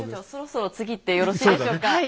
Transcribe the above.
副所長そろそろ次いってよろしいでしょうか。